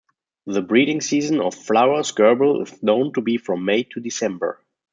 The breeding season of Flower's gerbil is known to be from May to December.